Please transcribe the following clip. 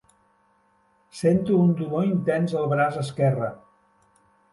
Sento un dolor intens al braç esquerre.